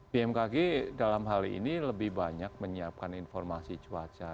bmkg dalam hal ini lebih banyak menyiapkan informasi cuaca